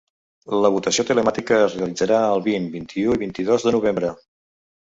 La votació telemàtica es realitzarà el vint, vint-i-u i vint-i-dos de novembre.